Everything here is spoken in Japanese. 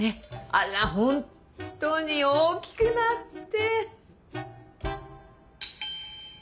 あらホントに大きくなって！